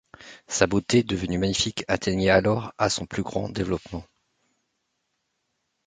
Sa beauté, devenue magnifique, atteignait alors à son plus grand développement.